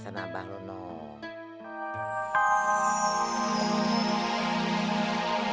sudah pulang nih nanti